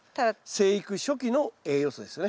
生育初期の栄養素ですよね。